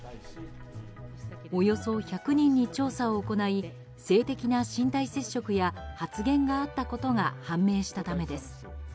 およそ１００人に調査を行い性的な身体接触や発言があったことが判明したためです。